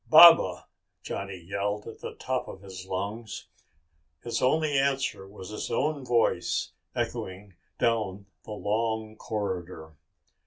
"Baba," Johnny yelled at the top of his lungs. His only answer was his own voice echoing down the long corridor.